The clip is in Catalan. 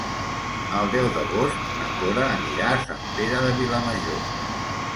El deu d'agost na Cora anirà a Sant Pere de Vilamajor.